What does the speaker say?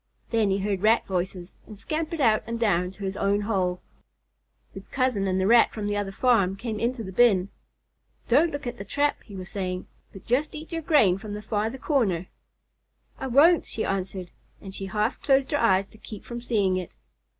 Then he heard Rat voices and scampered out and down to his own hole. His cousin and the Rat from the other farm came into the bin. "Don't look at the trap," he was saying, "but just eat your grain from the farther corner." "I won't," she answered, and she half closed her eyes to keep from seeing it.